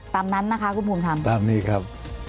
ตามนั้นนะคะคุณภูมิทำตามนี้ครับ